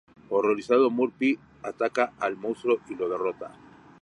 Horrorizado, Murphy ataca al monstruo y lo derrota.